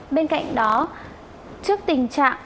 bên cạnh đó trước tình trạng